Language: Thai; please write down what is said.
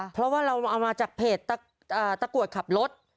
เพราะว่าเราเอามาจากเพจตะกรวดขับรถ